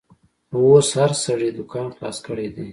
خو اوس هر سړي دوکان خلاص کړیدی